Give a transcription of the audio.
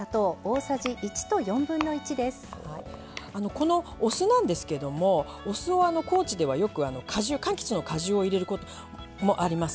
このお酢なんですけどもお酢を高知ではよくかんきつの果汁を入れることもあります。